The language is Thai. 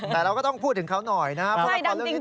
แต่เราก็ต้องพูดถึงเขาหน่อยนะครับ